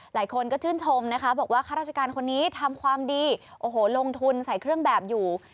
หลายคนก็ชื่นชมนะคะบอกว่าข้าราชการคนนี้ทำความดีโอ้โหลงทุนใส่เครื่องแบบอยู่